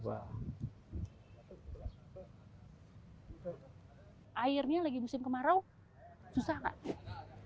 airnya lagi musim kemarau susah nggak